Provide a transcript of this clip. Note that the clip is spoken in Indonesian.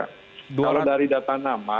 kalau dari data nama